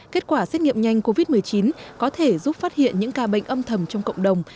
kết quả xét nghiệm nhanh covid một mươi chín có thể giúp phát hiện những ca bệnh âm thầm trong cộng đồng